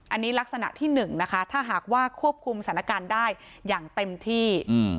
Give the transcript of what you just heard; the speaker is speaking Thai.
อันนี้ลักษณะที่๑นะคะถ้าหากว่าควบคุมสถานการณ์ได้อย่างเต็มที่